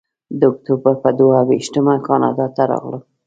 د اکتوبر پر دوه ویشتمه کاناډا ته راغلم.